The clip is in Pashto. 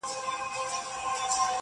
• نه پر چا احسان د سوځېدو لري -